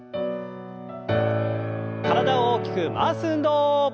体を大きく回す運動。